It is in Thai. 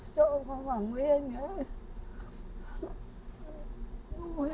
จ้องกับหวังเวทย์เนี่ย